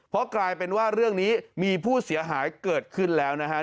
เพราะกลายเป็นว่าเรื่องนี้มีผู้เสียหายเกิดขึ้นแล้วนะฮะ